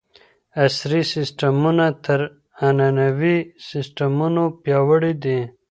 عصري سیستمونه تر عنعنوي سیستمونو پیاوړي دي.